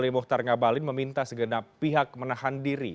ali muhtar ngabalin meminta segenap pihak menahan diri